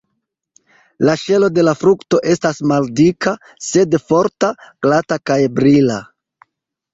La ŝelo de la frukto estas maldika, sed forta, glata kaj brila.